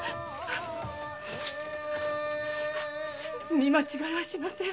見間違いはしません。